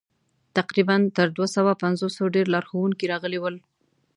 تقریباً تر دوه سوه پنځوسو ډېر لارښوونکي راغلي ول.